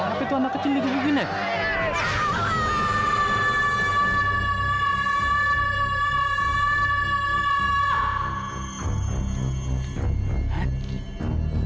apa itu anak kecil itu begini